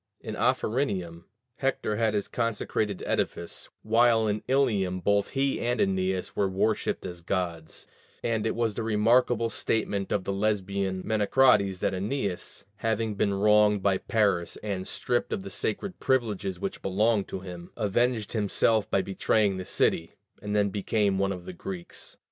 In Ophrynium, Hector had his consecrated edifice, while in Ilium both he and Æneas were worshipped as gods: and it was the remarkable statement of the Lesbian Menecrates that Æneas, "having been wronged by Paris and stripped of the sacred privileges which belonged to him, avenged himself by betraying the city, and then became one of the Greeks."